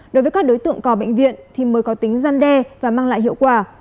đối với các đối tượng cò bệnh viện thì mới có tính gian đe và mang lại hiệu quả